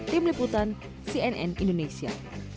tim liputan cnn indonesia